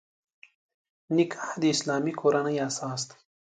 نکاح د اسلامي کورنۍ اساس دی.